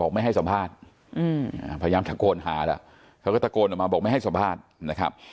ไม่ให้สัมภาษณ์พยายามตะโกนหาแล้วเขาก็ตะโกนออกมาบอกไม่ให้สัมภาษณ์นะครับ